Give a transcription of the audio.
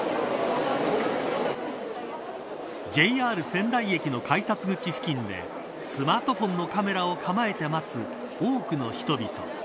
ＪＲ仙台駅の改札口付近でスマートフォンのカメラを構えて待つ多くの人々。